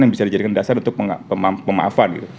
yang bisa dijadikan dasar untuk pemaafan gitu